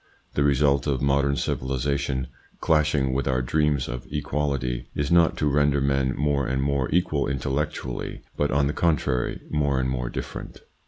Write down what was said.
The result of modern civilisation, clashing with our dreams of equality, is not to render men more and more equal intellectually, but, on the con trary, more and more different.